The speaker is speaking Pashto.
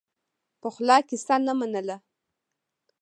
پخلا کیسه نه منله.